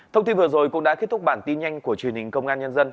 thông tin vừa rồi cũng đã kết thúc bản tin nhanh của truyền hình công an nhân dân